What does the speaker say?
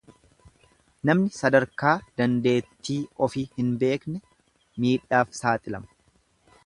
Namni sadarkaa dandeettii ofi hin beekne miidhaaf saaxilama.